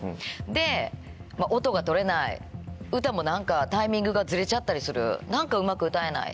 で音が取れない歌も何かタイミングがずれちゃったりする何かうまく歌えない。